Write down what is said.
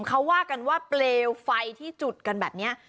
เขาว่ากันว่าเปลวไฟที่จุดกันแบบนี้